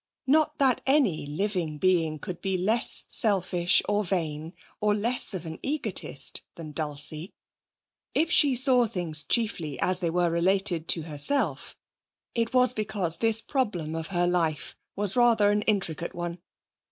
Not that any living being could be less selfish or vain, or less of an egotist than Dulcie. If she saw things chiefly as they were related to herself, it was because this problem of her life was rather an intricate one.